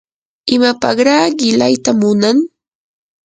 ¿imapaqraa qilayta munan?